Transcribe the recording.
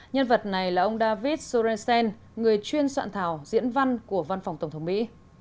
nhân vật này là ông david soresen người chuyên soạn thảo diễn văn của văn phòng tổng thống mỹ